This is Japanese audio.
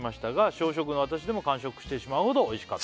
「小食の私でも完食してしまうほどおいしかったです」